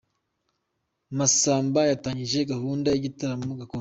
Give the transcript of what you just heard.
Masamba yatangije gahunda y’ibitaramo gakondo